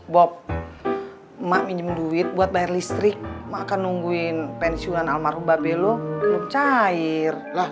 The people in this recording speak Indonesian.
bob emak minum duit buat bayar listrik makan nungguin pensiunan almarhum babelo cair lah